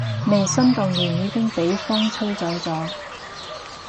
未心動完已經畀風吹走咗